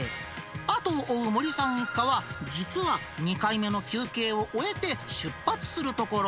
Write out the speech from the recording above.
後を追う森さん一家は、実は２回目の休憩を終えて出発するところ。